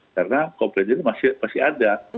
karena komplainya itu masih ada